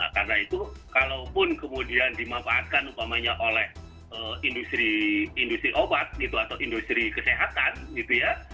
karena itu kalaupun kemudian dimanfaatkan umpamanya oleh industri obat gitu atau industri kesehatan gitu ya